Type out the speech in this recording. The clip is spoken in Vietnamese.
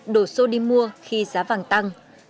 đổ xô đi mua khi giá vàng tăng